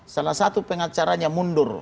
salah satu pengacaranya mundur